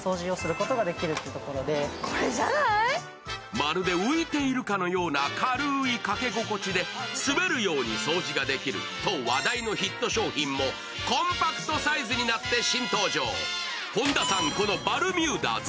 まるで浮いているかのような軽いかけ心地で滑るように掃除ができると話題のヒット商品もコンパクトサイズになって新登場。